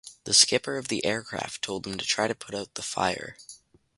The skipper of the aircraft told him to try to put out the fire.